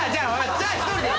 じゃあ１人でいい。